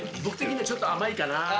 僕的にはちょっと甘いかな。